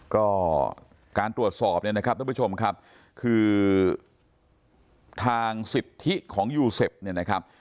ก็การตรวจสอบเนี่ยนะครับท่านผู้ชมครับคือทางสิทธิของยูเซฟเนี่ยนะครับ